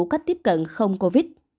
cách tiếp cận không covid